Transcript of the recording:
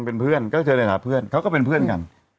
เป็นเพื่อนก็เชิญไปหาเพื่อนเขาก็เป็นเพื่อนกัน